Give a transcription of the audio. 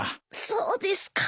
そうですか。